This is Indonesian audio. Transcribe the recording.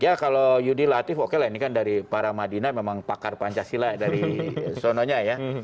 ya kalau yudi latif oke lah ini kan dari para madinah memang pakar pancasila dari sononya ya